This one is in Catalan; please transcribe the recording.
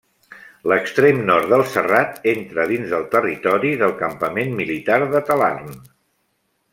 L'extrem nord del serrat entra dins del territori del Campament Militar de Talarn.